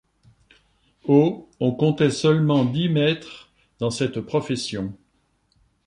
Au on comptait seulement dix maîtres dans cette profession.